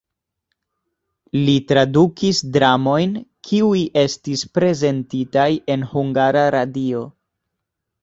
Li tradukis dramojn, kiuj estis prezentitaj en Hungara Radio.